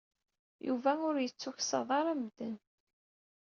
Yuba ur yettuksaḍ ara medden.